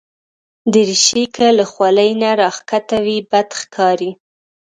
دریشي که له خولې نه راښکته وي، بد ښکاري.